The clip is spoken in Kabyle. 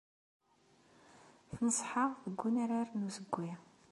Tneṣṣeḥ-aɣ deg wenrar n ussewwi.